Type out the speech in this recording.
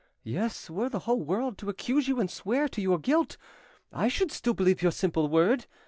Yes, were the whole world to accuse you and swear to your guilt, I should still believe your simple word.